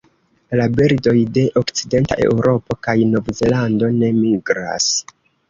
La birdoj de okcidenta Eŭropo kaj Novzelando ne migras.